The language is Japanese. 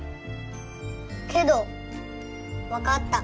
けどわかった。